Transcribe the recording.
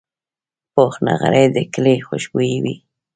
پوخ نغری د کلي خوشبويي وي